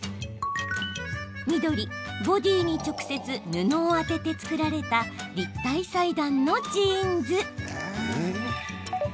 緑・ボディーに直接布を当てて作られた立体裁断のジーンズ。